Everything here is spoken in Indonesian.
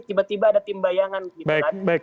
tiba tiba ada tim bayangan gitu kan